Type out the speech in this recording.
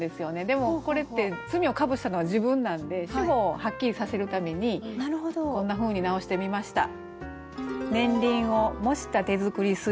でもこれって罪をかぶしたのは自分なんで主語をはっきりさせるためにこんなふうに直してみました。